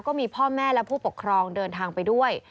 ก็มีพ่อแม่และผู้ปกครองเดินทางไปด้วย